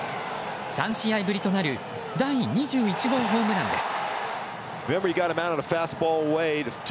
３試合ぶりとなる第２１号ホームランです。